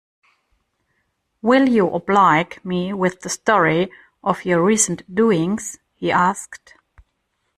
“Will you oblige me with the story of your recent doings?” he asked.